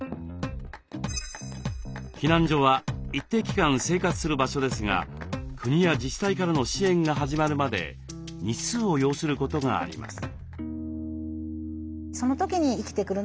避難所は一定期間生活する場所ですが国や自治体からの支援が始まるまで日数を要することがあります。